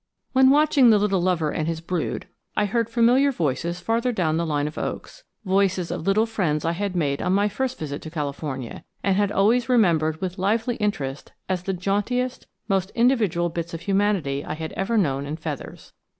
WHEN watching the little lover and his brood, I heard familiar voices farther down the line of oaks, voices of little friends I had made on my first visit to California, and had always remembered with lively interest as the jauntiest, most individual bits of humanity I had ever known in feathers.